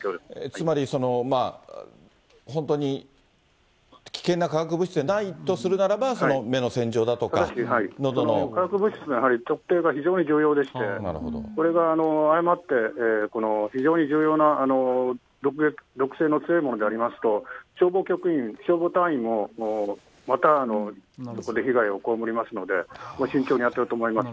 つまり本当に危険な化学物質、出ないとするならば、目の洗浄だ化学物質の特定が非常に重要でして、これが誤って非常に重要な毒性の強いものでありますと、消防局員、消防隊員もまたここで被害をこうむりますので、慎重にやっていると思います。